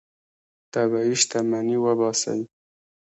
طبیعي شتمني وباسئ.